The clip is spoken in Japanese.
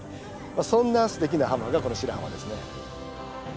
そんなすてきな浜がこの白浜ですね。